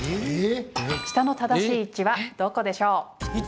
舌の正しい位置はどこでしょう？